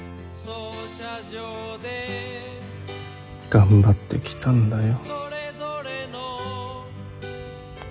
頑張ってきたんだよ。